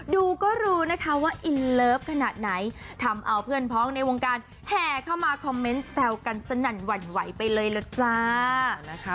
ดูก็รู้นะคะว่าอินเลิฟขนาดไหนทำเอาเพื่อนพ้องในวงการแห่เข้ามาคอมเมนต์แซวกันสนั่นหวั่นไหวไปเลยล่ะจ้านะคะ